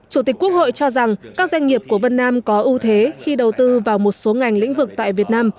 chủ tịch quốc hội cho rằng các doanh nghiệp của vân nam có ưu thế khi đầu tư vào một số ngành lĩnh vực tại việt nam